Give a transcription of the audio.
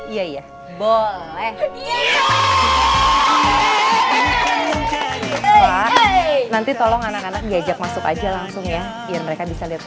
iyaayo pulang nanti tolong anak anak di ajak masuk aja langsung ya biar mereka bisa lihat